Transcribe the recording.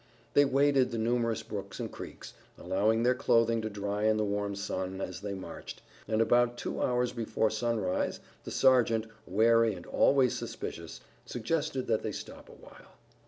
They waded the numerous brooks and creeks, allowing their clothing to dry in the warm sun, as they marched, and about two hours before sunrise the sergeant, wary and always suspicious, suggested that they stop a while.